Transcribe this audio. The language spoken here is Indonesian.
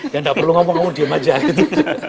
yang nggak perlu ngomong aku diem aja gitu